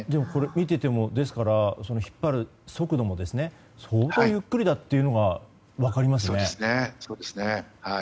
見ていると引っ張る速度も相当ゆっくりだというのが分かりますね。